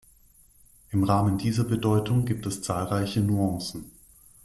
Im Rahmen dieser Bedeutung gibt es zahlreiche Nuancen.